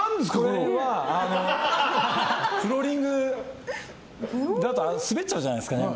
これはフローリングだと滑っちゃうじゃないですか、猫。